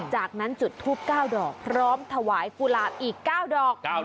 จากนั้นจุดทุบเก้าดอกพร้อมถวายกุหลาบอีกเก้าดอก